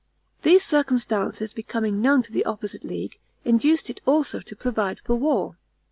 These circumstances becoming known to the opposite league, induced it also to provide for war.